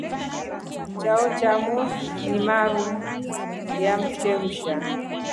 Chao chamo ni maru ya shemsa.